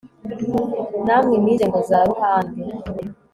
namwe mwize ngo za ruhande